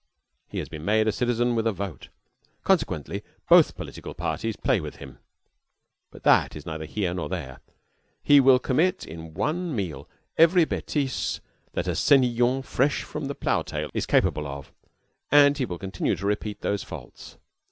He has been made a citizen with a vote, consequently both political parties play with him. But that is neither here nor there. He will commit in one meal every betise that a senllion fresh from the plow tail is capable of, and he will continue to repeat those faults.